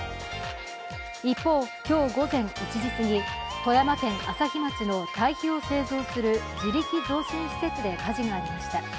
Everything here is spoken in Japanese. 一方、今日午前１時すぎ、富山県朝日町の堆肥を製造する地力増進施設で火事がありました。